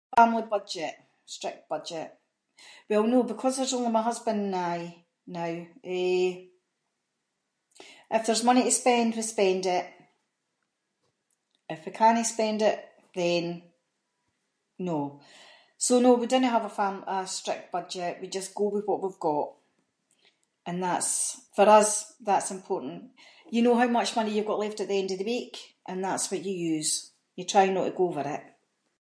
Family budget. Strict budget. Well no, because there’s only my husband and I now, eh, if there’s money to spend, we spend it. If we cannae spend it, then, no. So, no we dinnae have a fam- a strict budget, we just go with what we’ve got, and that’s, for us that’s important. You know how much money you’ve go left at the end of the week, and that’s what you use, you try no to go over it.